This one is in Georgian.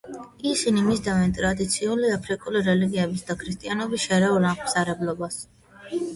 ისინი მისდევენ ტრადიციული აფრიკული რელიგიების და ქრისტიანობის შერეულ აღმსარებლობას.